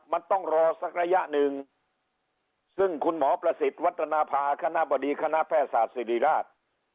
มันต้องรอสักระยะหนึ่งซึ่งคุณหมอประสิทธิ์วัฒนภาคณะบดีคณะแพทยศาสตร์ศิริราช